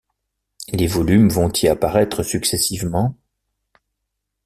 Les volumes vont y apparaître successivement.